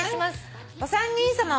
「お三人さま